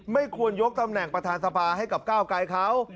ไม่ควรยกตำแหน่งประธานสภาให้กับก้าวไกรเขา